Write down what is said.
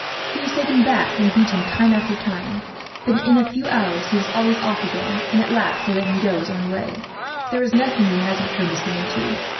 He was taken back and beaten, time after time; but in a few hours he was always off again, and at last they let him go his own way. There is nothing he hasn't turned his hand to.